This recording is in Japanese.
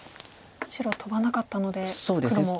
白トバなかったので黒も。